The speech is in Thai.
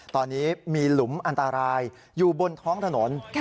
ตอนนี้มีหลุมอันตรายอยู่บนท้องถนน